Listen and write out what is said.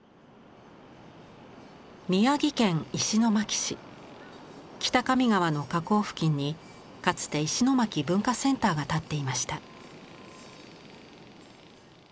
宮城県石巻市北上川の河口付近にかつて石巻文化センターが建っていました。